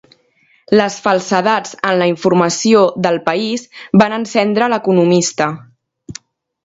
Les falsedats en la informació d'El País van encendre l'economista